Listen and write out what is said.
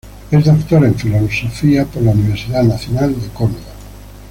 Es doctor en filosofía por la Universidad Nacional de Córdoba.